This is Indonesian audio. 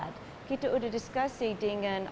tapi kita sudah berdiskusi dengan